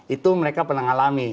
itu mereka pernah mengalami